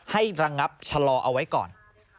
ให้รังงับชะลอเอาไว้ก่อน